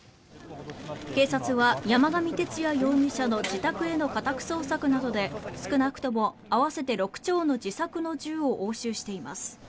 警察は山上徹也容疑者の自宅への家宅捜索などで少なくとも合わせて６丁の自作の銃を押収しています。